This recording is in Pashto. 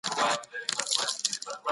اقتصادي چاري د ټولنيز ژوند مهمه برخه جوړوي.